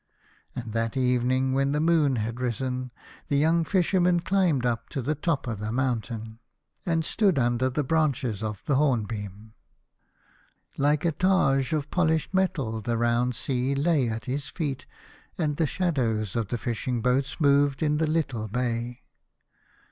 And that evening, when the moon had risen, the young Fisherman climbed up to the top of the mountain, and stood under the branches of the hornbeam. Like a targe of polished metal the round sea lay at his feet, and the shadows of the fishing boats moved in the little bay.